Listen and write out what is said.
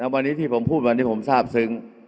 วันนี้ที่ผมพูดวันนี้ผมทราบซึ้ง